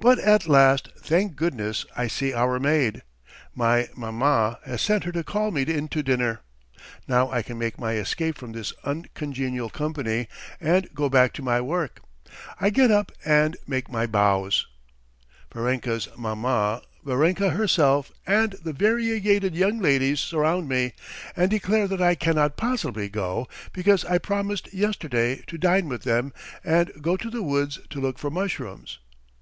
But at last, thank goodness! I see our maid. My maman has sent her to call me in to dinner. Now I can make my escape from this uncongenial company and go back to my work. I get up and make my bows. Varenka's maman, Varenka herself, and the variegated young ladies surround me, and declare that I cannot possibly go, because I promised yesterday to dine with them and go to the woods to look for mushrooms.